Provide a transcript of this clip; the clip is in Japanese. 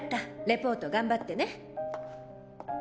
リポート頑張ってね。